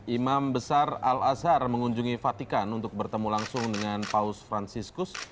imam besar al azhar mengunjungi fatikan untuk bertemu langsung dengan paus franciscus